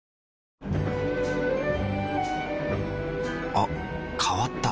あ変わった。